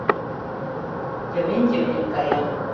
Йымен-йымен кая.